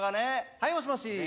はいもしもし。